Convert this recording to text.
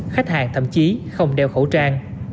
khách hàng thậm chí không đeo khẩu trang